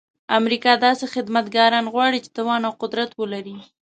امریکا داسې خدمتګاران غواړي چې توان او قدرت ولري.